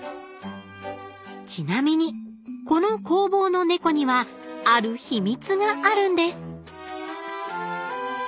ちなみにこの工房の猫にはある秘密があるんです